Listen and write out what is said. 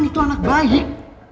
arin itu anak baik